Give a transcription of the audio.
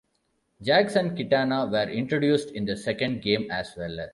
Jax and Kitana were introduced in the second game as well.